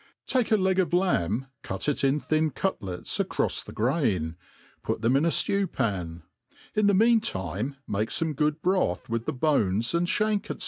TAI^E a >eg ofl^mb^ cut it in thin cutlets acrofs the grain, put them in a ftew pan ; in the mean time make fome good broth with the bones and (hank, &c.